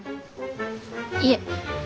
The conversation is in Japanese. いえ。